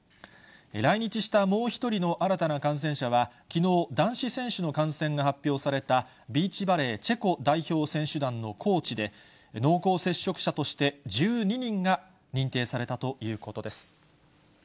来日したもう１人の新たな感染者は、きのう、男子選手の感染が発表されたビーチバレー、チェコ代表選手団のコーチで、濃厚接触者として１２人が認定されたということです。